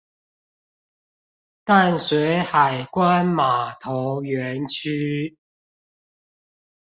淡水海關碼頭園區